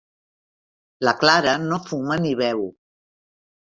La Clara no fuma ni beu.